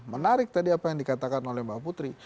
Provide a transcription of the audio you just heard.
menarik tadi apa yang dikatakan oleh mbak putri